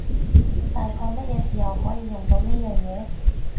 大概乜嘢時候可以用到呢樣嘢？